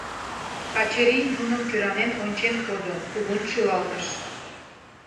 Качырий нуным кӧранен ончен кодо, кугун шӱлалтыш.